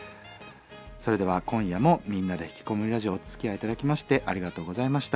それでは今夜も「みんなでひきこもりラジオ」おつきあい頂きましてありがとうございました。